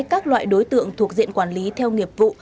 các loại đối tượng thuộc diện quản lý theo nghiệp vụ